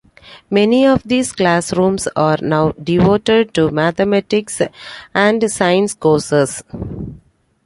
Many of these classrooms are now devoted to mathematics and science courses.